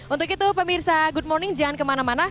untuk itu pemirsa good morning jangan kemana mana